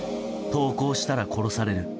投降したら殺される。